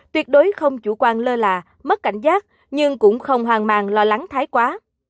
tuyệt đối không chủ quan lơ là mất cảnh giác nhưng cũng không hoàng màng lo lắng thái quá